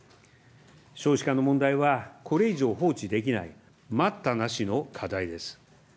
少子化の問題はこれ以上放置できない、待ったなしの課題です。